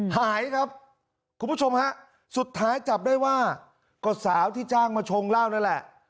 หายครับคุณผู้ชมฮะสุดท้ายจับได้ว่าก็สาวที่จ้างมาชงเหล้านั่นแหละ